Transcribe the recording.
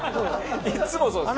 いつもそうですね。